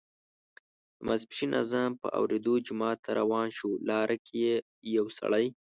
د ماسپښین اذان په اوریدا جومات ته روان شو، لاره کې یې یو سړی